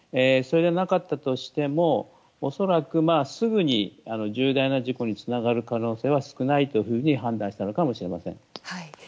それでなかったとしても恐らくすぐに重大な事故につながる可能性は少ないというふうに判断したのかもしれません。